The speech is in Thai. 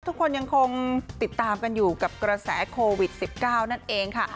ทุกคนยังคงติดตามกันอยู่กับกระแสโควิด๑๙นั่นเองค่ะ